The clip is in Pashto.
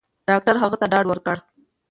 ډاکټر هغه ته ډاډ ورکړ.